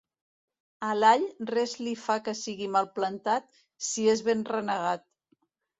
A l'all res li fa que sigui mal plantat si és ben renegat.